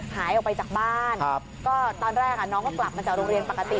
หายออกไปจากบ้านก็ตอนแรกน้องก็กลับมาจากโรงเรียนปกติ